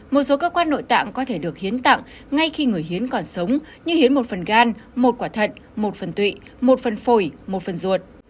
một số cơ quan nội tạng có thể được hiến tặng ngay khi người hiến còn sống như hiến một phần gan một quả thận một phần tụy một phần phổi một phần ruột